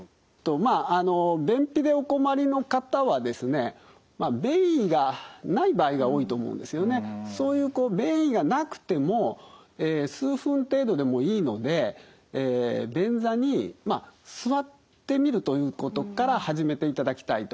まああの便秘でお困りの方はですねそういうこう便意がなくても数分程度でもいいので便座にまあ座ってみるということから始めていただきたいと。